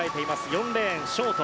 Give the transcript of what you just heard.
４レーン、ショート。